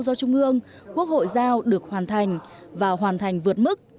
do trung ương quốc hội giao được hoàn thành và hoàn thành vượt mức